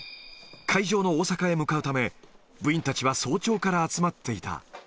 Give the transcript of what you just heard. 会場の大阪へ向かうため、部員たちは早朝から集まっていた。